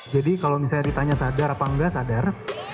jadi kalau misalnya ditanya sadar apa enggak sadar